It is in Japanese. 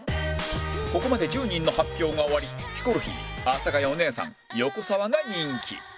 ここまで１０人の発表が終わりヒコロヒー阿佐ヶ谷お姉さん横澤が人気